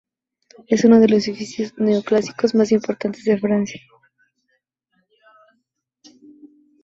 Es uno de los edificios neoclásicos más importantes de Francia.